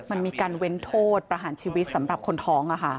มันมีการเว้นโทษประหารชีวิตสำหรับคนท้อง